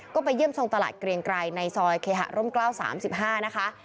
ก็ไปเยี่ยมทรงตลาดเกรียงไกรในซอยเคหาร่มกล้าว๓๕นะคะ